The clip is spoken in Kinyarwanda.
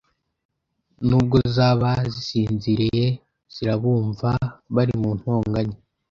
nubwo zaba zisinziriye zirabumva bari mu ntonganya